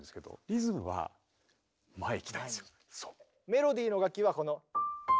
メロディーの楽器はこの。